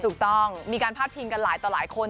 ถูกต้องมีการพาดพิงกันหลายต่อหลายคน